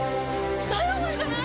ダイワマンじゃない？